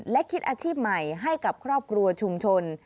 และคิดอาชีพใหม่ให้กับครอบครัวชุมชน